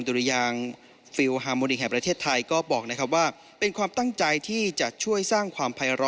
ดูแลยางฟริลแล้วฮาร์โมนิแห่งแห่วประเทศไทยก็บอกนะครับว่านี่ก็เป็นความตั้งใจที่จะส่งความภายล้อ